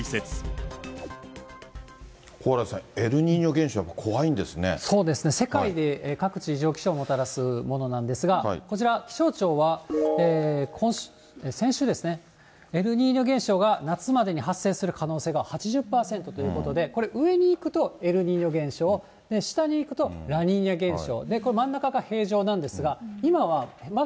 蓬莱さん、エルニーニョ現象、そうですね、世界で、各地、異常気象をもたらすものなんですが、こちら、気象庁は、先週ですね、エルニーニョ現象が夏までに発生する可能性が８０％ということで、これ、上に行くとエルニーニョ現象、下にいくとラニーニョ現象。